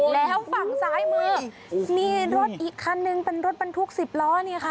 แล้วฝั่งซ้ายมือมีรถอีกคันนึงเป็นรถบรรทุก๑๐ล้อเนี่ยค่ะ